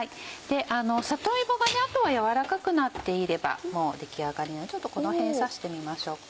里芋があとは軟らかくなっていればもう出来上がりなのでちょっとこの辺刺してみましょうか。